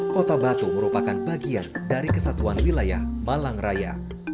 kota batu merupakan bagian dari kesatuan wilayah malang raya